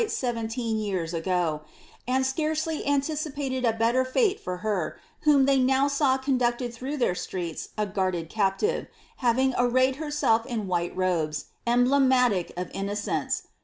Beventeen years ago, *nd scarcely anticipated a better iate for her, whcm^ they now saw couducied tii rough tlieir streets a guarded captive, havliig arrayed herself in white robes, emblematic of innocence.